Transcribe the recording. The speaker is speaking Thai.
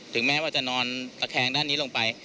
แม้ว่าจะนอนตะแคงด้านนี้ลงไป